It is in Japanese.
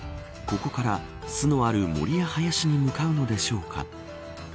ここから巣のある森や林に向かうのでしょうか。